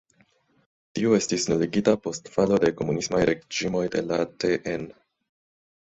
Tiu estis nuligita post falo de komunismaj reĝimoj de la tn.